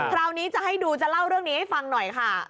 คราวนี้จะให้ดูจะเล่าเรื่องนี้ให้ฟังหน่อยค่ะ